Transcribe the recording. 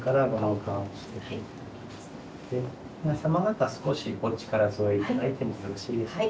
皆様方少しお力添え頂いてもよろしいでしょうか。